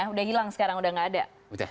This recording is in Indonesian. sudah hilang sekarang sudah nggak ada